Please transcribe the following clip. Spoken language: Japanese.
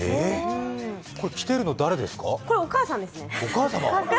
これ着てるの誰ですか？